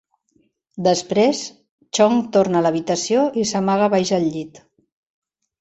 Després, Chong torna a l'habitació i s'amaga baix el llit.